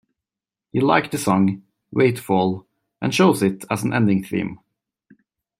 He liked the song "Way To Fall", and chose it as an ending theme.